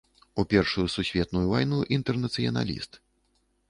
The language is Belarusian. У першую сусветную вайну інтэрнацыяналіст.